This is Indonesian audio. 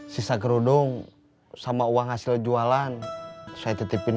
sisa kerudung sama uang hasil jualan saya tetepin ke kerudung